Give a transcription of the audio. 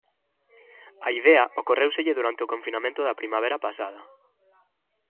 A idea ocorréuselle durante o confinamento da primavera pasada.